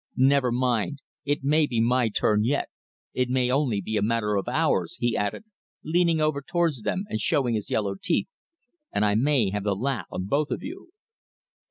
Never mind! It may be my turn yet! It may be only a matter of hours," he added, leaning over towards them and showing his yellow teeth, "and I may have the laugh on both of you."